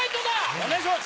お願いします！